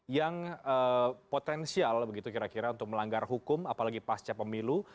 yang potensial begitu kira kira untuk melanggar hukum apalagi pasca pemilu